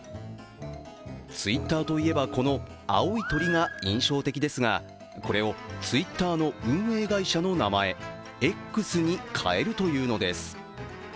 Ｔｗｉｔｔｅｒといえばこの青い鳥が印象的ですがこれをＴｗｉｔｔｅｒの運営会社の名前Ｘに変えるというのです。